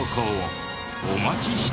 お待ちしています。